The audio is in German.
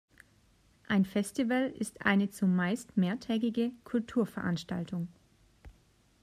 Ein Festival ist eine zumeist mehrtägige Kulturveranstaltung,